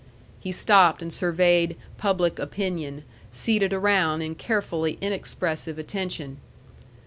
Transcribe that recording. He stopped and surveyed Public Opinion, seated around in carefully inexpressive attention.